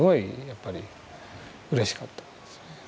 やっぱりうれしかったんですね。